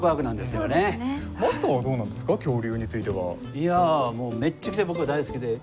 いやもうめっちゃくちゃ僕は大好きで。